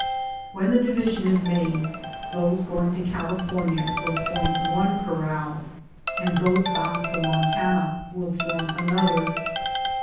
When the division is made, those going to California will form one corral, and those bound for Montana will form another.